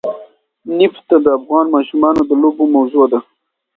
نفت د افغان ماشومانو د لوبو موضوع ده.